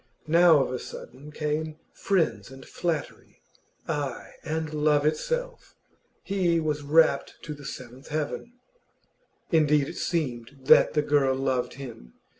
Now of a sudden came friends and flattery, ay, and love itself. He was rapt to the seventh heaven. Indeed, it seemed that the girl loved him.